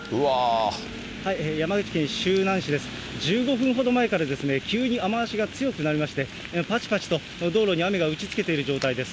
１５分ほど前から急に雨足が強くなりまして、ぱちぱちと道路に雨が打ちつけている状態です。